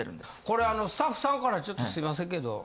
これあのスタッフさんからちょっとすいませんけど。